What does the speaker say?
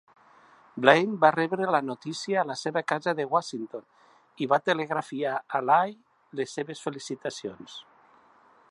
Blaine va rebre la notícia a la seva casa de Washington i va telegrafiar a Hayes les seves felicitacions.